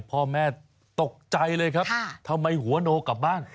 พ่อแม่ตกใจเลยครับทำไมหัวโนกลับบ้าน